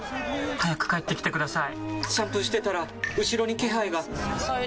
早く帰ってきてください！